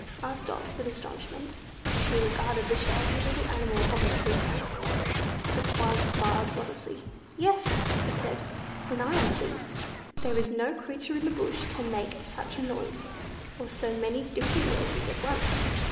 asked Dot with astonishment, as she regarded the shaggy little animal on the tree trunk. The Koala smiled modestly. "Yes!" it said; "when I am pleased there is no creature in the bush can make such a noise, or so many different noises at once.